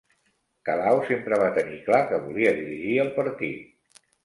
Calau sempre va tenir clar que volia dirigir el partit